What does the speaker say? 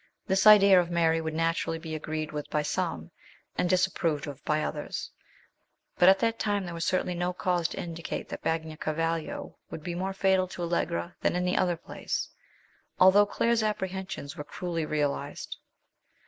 This idea of Mary would naturally be agreed with by some, and disap proved of by others ; but at that time there was certainly no cause to indicate that Bagnacavallo would be more fatal to Allegra than any other place, although Claire's apprehensions were cruelly realised.